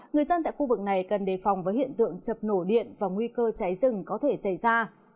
người dân tại khu vực này cần đề phòng với hiện tượng chập nổ điện và nguy cơ cháy rừng có thể xảy ra